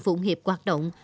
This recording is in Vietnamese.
phụng hiệp hoạt động